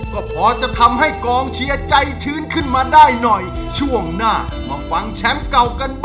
ก็ส่งพลังต่อให้กับพี่เอ๊สเลยนะคะ